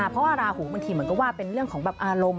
เพราะว่าราหูบางทีเหมือนกับว่าเป็นเรื่องของแบบอารมณ์